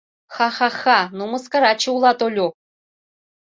Ха-ха-ха, ну мыскараче улат, Олю!